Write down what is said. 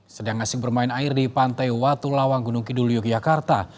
sedang ngasih bermain air di pantai watulawang gunung kidul yogyakarta